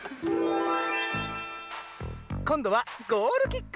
こんどはゴールキック。